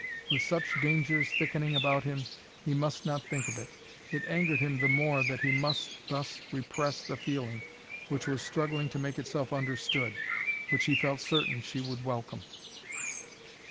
with such dangers thickening about him, he must not think of it. It angered him the more that he must thus repress the feeling which was struggling to make itself understood, which he felt certain she would welcome.